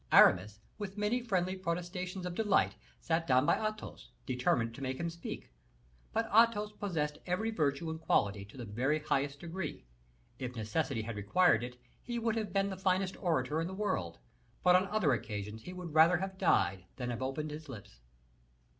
Aramis, with many friendly protestations of delight, sat down by Athos, determined to make him speak; but Athos possessed every virtue and quality to the very highest degree. If necessity had required it, he would have been the finest orator in the world, but on other occasions he would rather have died than have opened his lips.